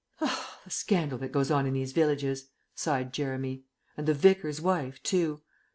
"The scandal that goes on in these villages," sighed Jeremy. "And the Vicar's wife too.